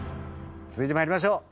続いて参りましょう。